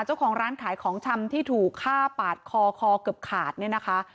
เจ้าของร้านขายของชำที่ถูกฆ่าปาดคอคอเกือบขาดเนี่ยนะคะ